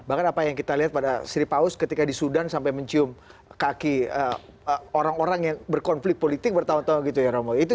bahkan apa yang kita lihat pada sri paus ketika di sudan sampai mencium kaki orang orang yang berkonflik politik bertahun tahun gitu ya romo